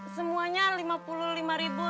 semuanya rp lima puluh lima lima ratus bu